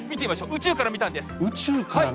宇宙から見たんです。